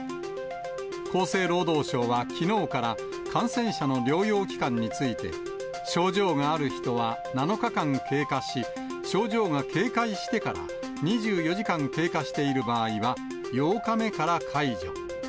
厚生労働省はきのうから感染者の療養期間について、症状がある人は７日間経過し、症状が軽快してから２４時間経過している場合は８日目から解除。